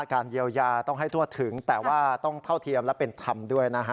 การเยียวยาต้องให้ทั่วถึงแต่ว่าต้องเท่าเทียมและเป็นธรรมด้วยนะฮะ